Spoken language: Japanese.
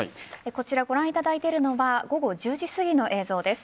こちら、ご覧いただいているのは午後１０時すぎの映像です。